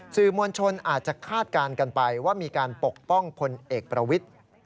สื่อมวลชนอาจจะคาดการณ์กันไปว่ามีการปกป้องพลเอกประวิทธิ์